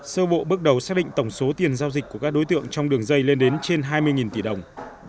sơ bộ bước đầu xác định tổng số tiền giao dịch của các đối tượng trong đường dây lên đến trên hai mươi tỷ đồng